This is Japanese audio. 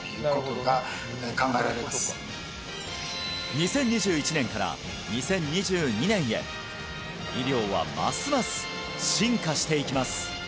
２０２１年から２０２２年へ医療はますます進化していきます！